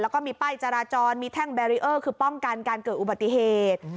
แล้วก็มีป้ายจราจรมีแท่งแบรีเออร์คือป้องกันการเกิดอุบัติเหตุ